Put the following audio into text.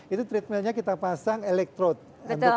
itu treadmillnya kita pasang elektrod